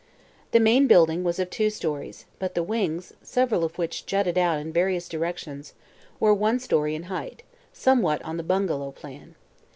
The main building was of two stories, but the wings, several of which jutted out in various directions, were one story in height, somewhat on the bungalow plan.